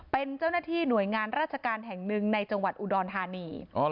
เป็นเจ้าหน้าที่หน่วยงานราชการแห่งหนึ่งในจังหวัดอุดรธานี